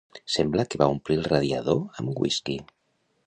Sembla que va omplir el radiador amb whisky.